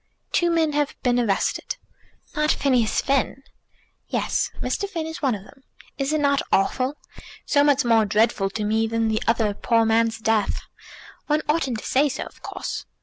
"Two men have been arrested." "Not Phineas Finn?" "Yes; Mr. Finn is one of them. Is it not awful? So much more dreadful to me than the other poor man's death! One oughtn't to say so, of course."